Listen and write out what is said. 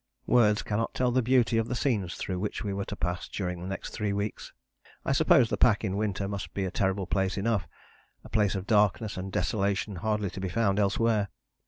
Words cannot tell the beauty of the scenes through which we were to pass during the next three weeks. I suppose the pack in winter must be a terrible place enough: a place of darkness and desolation hardly to be found elsewhere.